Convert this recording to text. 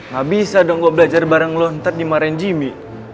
gak bisa dong gue belajar bareng lo ntar dimarahin jimmy